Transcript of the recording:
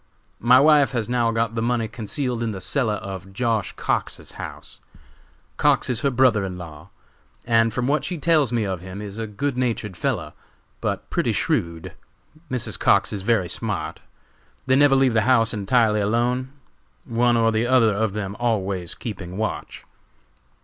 "My wife has now got the money concealed in the cellar of Josh. Cox's house. Cox is her brother in law, and from what she tells me of him is a good natured fellow, but pretty shrewd. Mrs. Cox is very smart. They never leave the house entirely alone, one or the other of them always keeping watch.